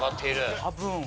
多分。